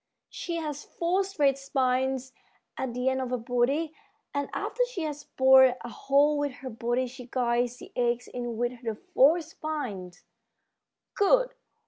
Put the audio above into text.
She has four straight spines at the end of her body, and after she has bored a hole with her body she guides the eggs in with the four spines." "Good!